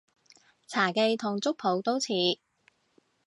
茶記同粥舖都似